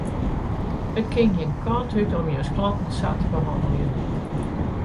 It kin gjin kant út om jins klanten sa te behanneljen.